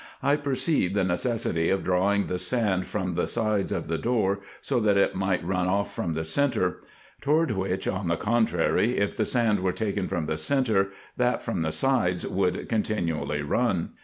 I perceived the necessity of drawing the sand from the sides of the door, so that it might run off from the centre ; toward which, on the contrary, if the sand were taken from the centre, that from the sides would continually run.